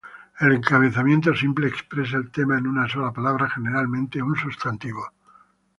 El encabezamiento simple expresa el tema en una sola palabra, generalmente un sustantivo.